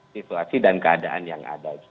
situasi dan keadaan yang ada